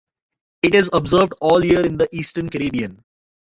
It is observed all year in the Eastern Caribbean.